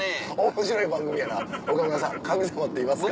面白い番組やな「岡村さん神様っていますか？」。